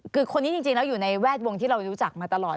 คือคนนี้จริงแล้วอยู่ในแวดวงที่เรารู้จักมาตลอด